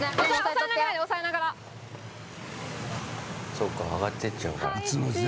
そうか、上がってっちゃうから。